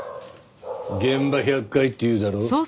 「現場百回」って言うだろ。